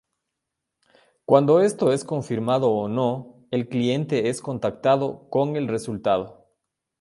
Cuando esto es confirmado o no, el cliente es contactado con el resultado.